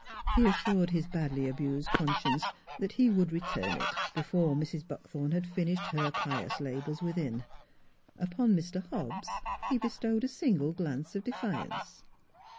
He assured his badly abused con science that he would return it before Mrs. Buck thorn had finished her pious labors within. Upon Mr. Hobbs he bestowed a single glance of defiance.